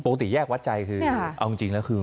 แยกวัดใจคือเอาจริงแล้วคือ